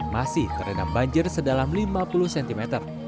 masih terendam banjir sedalam lima puluh cm